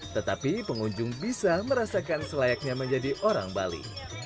tetapi pengunjung bisa merasakan selayaknya menjadi orang bali